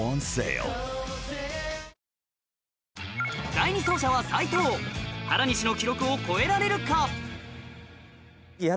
第２走者は斎藤原西の記録を超えられるか？